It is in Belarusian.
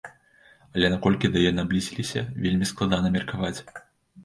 Але наколькі да яе наблізіліся, вельмі складана меркаваць.